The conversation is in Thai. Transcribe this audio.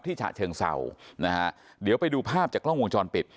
ฉะเชิงเศร้านะฮะเดี๋ยวไปดูภาพจากกล้องวงจรปิด